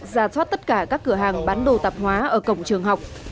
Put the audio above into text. ra soát tất cả các cửa hàng bán đồ tạp hóa ở cổng trường học